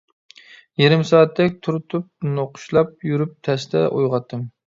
يېرىم سائەتتەك تۈرتۈپ-نوقۇشلاپ يۈرۈپ تەستە ئويغاتتىم.